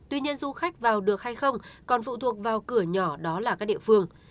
tuy nhiên du khách vào được hay không còn phụ thuộc vào cửa nhỏ đó là các địa phương